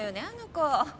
あの子。